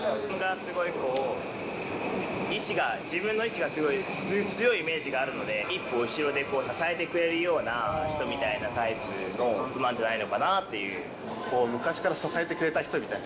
すごいこう、意思が、自分の意志が強い、強いイメージがあるので、一歩後ろで支えてくれるような人みたいなタイプの人なんじゃない昔から支えてくれた人みたいな。